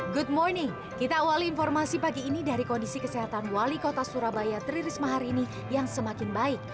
good morning kita awali informasi pagi ini dari kondisi kesehatan wali kota surabaya tri risma hari ini yang semakin baik